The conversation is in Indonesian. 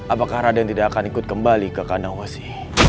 apakah raden tidak akan ikut kembali ke kandang wasi